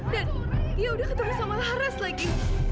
dan dia udah ketemu sama laras lagi